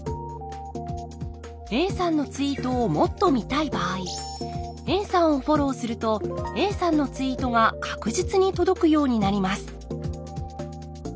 Ａさんのツイートをもっと見たい場合ＡさんをフォローするとＡさんのツイートが確実に届くようになります